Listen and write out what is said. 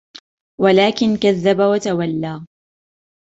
ولكن كذب وتولى